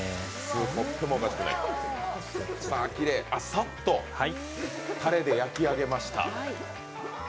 サッとたれで焼き上げました。